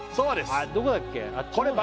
あれどこだっけ？